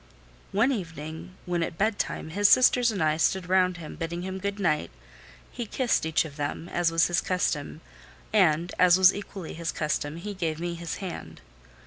One evening when, at bedtime, his sisters and I stood round him, bidding him good night, he kissed each of them, as was his custom; and, as was equally his custom, he gave me his hand.